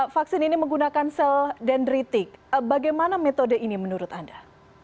vaksin ini menggunakan sel dendritik bagaimana metode ini menurut anda